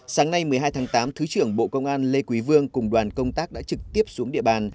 sáng nay một mươi hai tháng tám thứ trưởng bộ công an lê quý vương cùng đoàn công tác đã trực tiếp xuống địa bàn